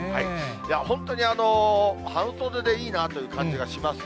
本当に半袖でいいなという感じがします。